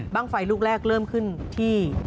บ้างไฟลูกแรกเริ่มขึ้นที่๑๘๑๕